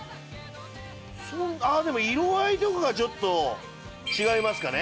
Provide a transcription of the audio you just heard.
あっでも色合いとかがちょっと違いますかね。